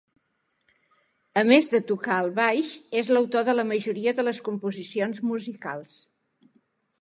A més de tocar el baix, és l'autor de la majoria de les composicions musicals.